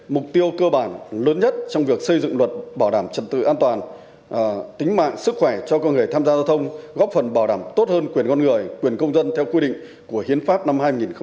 mục tiêu cơ bản lớn nhất trong việc xây dựng luật bảo đảm trật tự an toàn tính mạng sức khỏe cho con người tham gia giao thông góp phần bảo đảm tốt hơn quyền con người quyền công dân theo quy định của hiến pháp năm hai nghìn một mươi ba